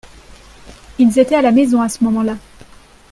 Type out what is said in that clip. Ils étaient à la maison à ce moment-là.